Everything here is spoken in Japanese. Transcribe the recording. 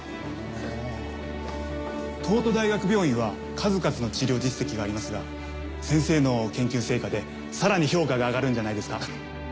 ほう東斗大学病院は数々の治療実績がありますが先生の研究成果で更に評価が上がるんじゃないですか。